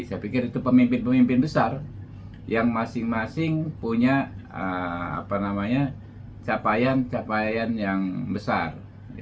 saya pikir itu pemimpin pemimpin besar yang masing masing punya capaian capaian yang besar